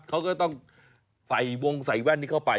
เขาก็ต้องใส่วงใส่แว่นนี้เข้าไป